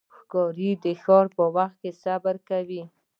ښکاري د ښکار په وخت کې صبر کوي.